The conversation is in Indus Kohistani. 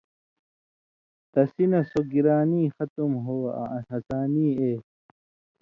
تسی نہ سو گِرانی ختُم ہو آں ہَسانی اے